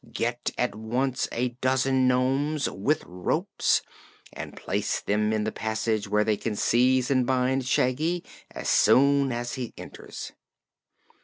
"Get at once a dozen nomes, with ropes, and place them in the passage where they can seize and bind Shaggy as soon as he enters."